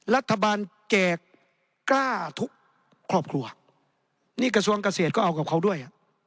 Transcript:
รัฐบาลแจกกล้าทุกครอบครัวนี่กระทรวงเกษตรก็เอากับเขาด้วย